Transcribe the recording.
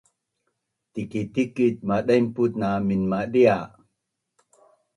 Tikic tikic madainpuc na minmadia